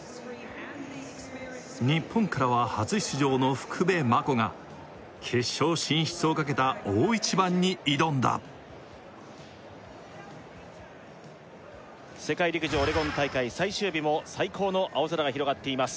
日本からは初出場の福部真子が決勝進出をかけた大一番に挑んだ世界陸上オレゴン大会最終日も最高の青空が広がっています